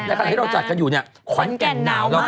ในขณะที่เราจัดกันอยู่ข้อนแก่นหนาวมาก